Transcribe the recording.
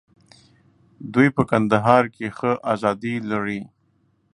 دوی په کندهار کې ښه آزادي لري.